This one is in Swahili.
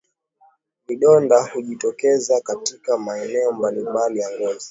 Vidonda hujitokeza katika maeneo mbalimbali ya ngozi